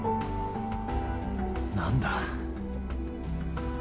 何だ？